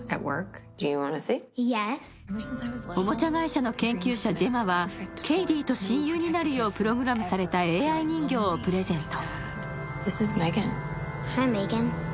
おもちゃ会社の研究者ジェマはケイディと親友になるようプログラムされたＡＩ人形をプレゼント。